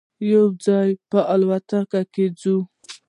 یو ځای به الوتکه کې ځی.